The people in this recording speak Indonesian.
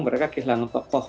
mereka kehilangan pokok